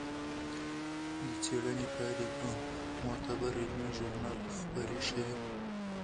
د څېړنې پایلې په معتبر علمي ژورنال خپرې شوې.